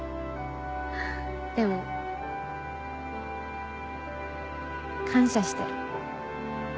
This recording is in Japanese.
でも感謝してる。